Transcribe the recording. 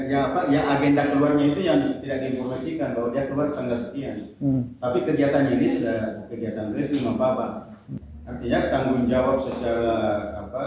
keluarnya itu yang tidak diinformasikan bahwa mahasiswa ini memiliki agenda yang tidak di informasikan bahwa mahasiswa ini memiliki agenda yang tidak di informasikan bahwa